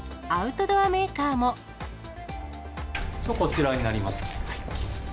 こちらになります。